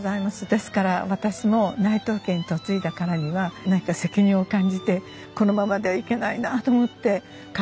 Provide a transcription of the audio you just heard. ですから私も内藤家に嫁いだからには何か責任を感じてこのままではいけないなあと思ってカフェにいたしました。